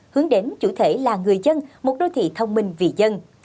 hướng đến chủ thể là người dân một đô thị thông minh vì dân